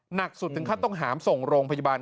หนักสุดถึงขั้นต้องหามส่งโรงพยาบาล